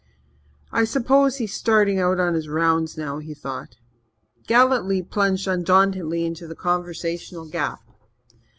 I suppose he is starting out on his rounds now, he thought. Galletly plunged undauntedly into the conversational gap.